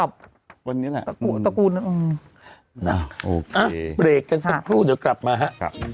อ่ะเบรกกันสักครู่เดี๋ยวกลับมาฮะ